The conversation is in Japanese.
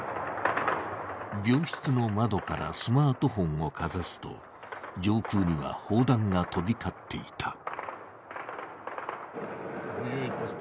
病室の窓からスマートフォンをかざすと上空には砲弾が飛び交っていた。